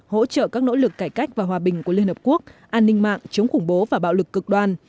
hỗ trợ các nỗ lực cải cách và hòa bình của liên hợp quốc an ninh mạng chống khủng bố và bạo lực cực đoan